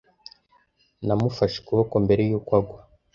Namufashe ukuboko mbere yuko agwa.